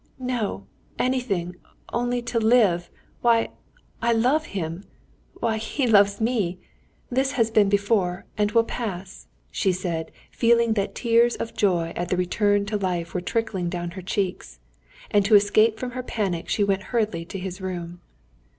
"No, anything—only to live! Why, I love him! Why, he loves me! This has been before and will pass," she said, feeling that tears of joy at the return to life were trickling down her cheeks. And to escape from her panic she went hurriedly to his room.